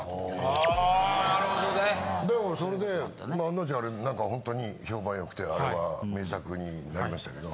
あなるほどね。で俺それで案の定なんかホントに評判良くてあれは名作になりましたけど。